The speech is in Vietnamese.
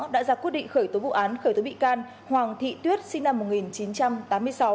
đã ra quyết định khởi tố vụ án khởi tố bị can hoàng thị tuyết sinh năm một nghìn chín trăm tám mươi sáu